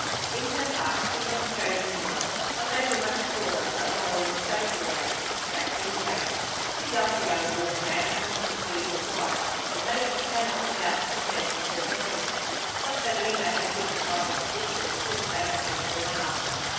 In her heart she has chosen one, not only much poorer, but lower in social rank Jack Wingate. She loves the young waterman, and wants to be his wife; but knows she cannot without the consent of her parents. Not that either has signified opposition, since they have never been asked.